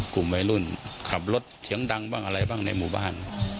กลุ่มวัยรุ่นขับรถเสียงดังบ้างอะไรบ้างในหมู่บ้าน